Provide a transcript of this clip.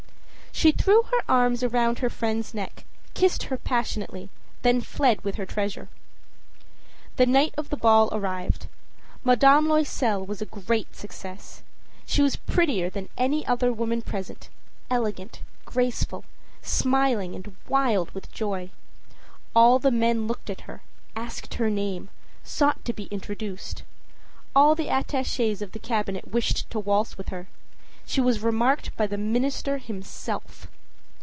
â She threw her arms round her friend's neck, kissed her passionately, then fled with her treasure. The night of the ball arrived. Madame Loisel was a great success. She was prettier than any other woman present, elegant, graceful, smiling and wild with joy. All the men looked at her, asked her name, sought to be introduced. All the attaches of the Cabinet wished to waltz with her. She was remarked by the minister himself.